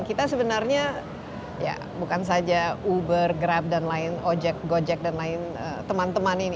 kita sebenarnya ya bukan saja uber grab dan lain gojek dan lain teman teman ini